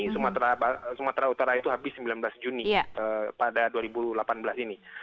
sumatera utara itu habis sembilan belas juni pada dua ribu delapan belas ini